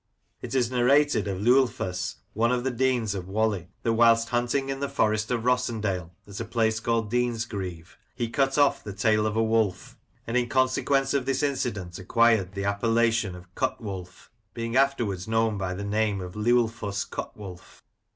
It is narrated of Liwlphus, one of the Deans of Whalley, that whilst hunting in the Forest of Rossendale, at a place called Deansgreve, he cut off the tail of a wolf, and in consequence of this y6 Lancashire Characters and Places, incident acquired the appellation of "Cutwulph," being afterwards known by the name of "Liwlphus Cutwulph."